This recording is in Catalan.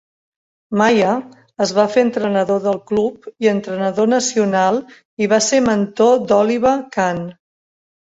Maier es va fer entrenador del club i entrenador nacional i va ser mentor d'Oliver Kahn.